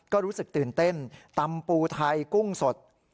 ก็รู้สึกตื่นเต้นตำปูไทยกุ้งสด